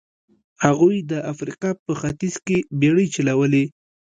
هغوی د افریقا په ختیځ کې بېړۍ چلولې.